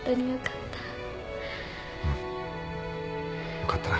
よかったな。